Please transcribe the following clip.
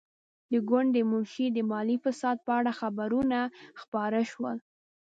د ګوند د منشي د مالي فساد په اړه خبرونه خپاره شول.